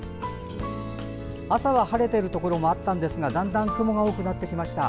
朝は晴れているところもあったんですがだんだん雲が多くなってきました。